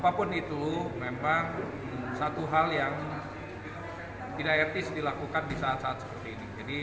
apapun itu memang satu hal yang tidak etis dilakukan di saat saat seperti ini